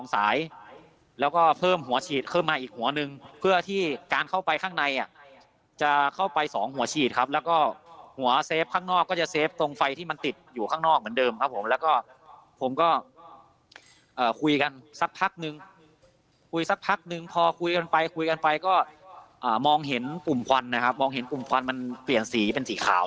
สายแล้วก็เพิ่มหัวฉีดเพิ่มมาอีกหัวนึงเพื่อที่การเข้าไปข้างในอ่ะจะเข้าไปสองหัวฉีดครับแล้วก็หัวเซฟข้างนอกก็จะเฟฟตรงไฟที่มันติดอยู่ข้างนอกเหมือนเดิมครับผมแล้วก็ผมก็คุยกันสักพักนึงคุยสักพักนึงพอคุยกันไปคุยกันไปก็มองเห็นกลุ่มควันนะครับมองเห็นกลุ่มควันมันเปลี่ยนสีเป็นสีขาว